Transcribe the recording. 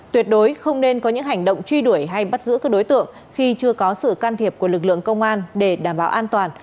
tuyệt đối không nên có những hành động truy đuổi hay bắt giữ các đối tượng khi chưa có sự can thiệp của lực lượng công an để đảm bảo an toàn